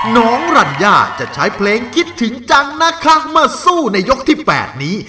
น้องรัญญาจะใช้เพลงคิดถึงจังนะครับเมื่อสู้ในยกที่๘นี้